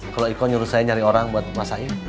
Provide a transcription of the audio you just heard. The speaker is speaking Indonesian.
kalau iko nyuruh saya nyari orang buat masain